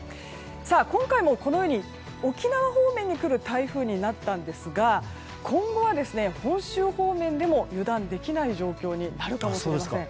今回もこのように沖縄方面に来る台風になったんですが今後は、本州方面でも油断できない状況になるかもしれません。